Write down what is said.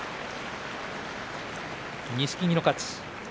錦木の勝ち。